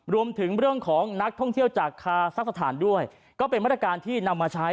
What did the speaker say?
รวมถึงเรื่องของนักท่องเที่ยวจากคาซักสถานด้วยก็เป็นมาตรการที่นำมาใช้